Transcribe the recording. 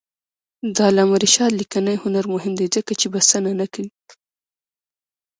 د علامه رشاد لیکنی هنر مهم دی ځکه چې بسنه نه کوي.